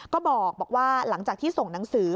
ก็บอกว่าหลังจากที่ส่งหนังสือ